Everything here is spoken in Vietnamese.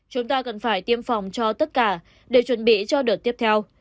chúng ta cần phải tiêm phòng cho tất cả để chuẩn bị cho đợt tiếp theo